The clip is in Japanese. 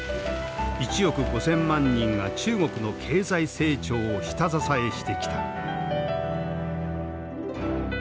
１億５，０００万人が中国の経済成長を下支えしてきた。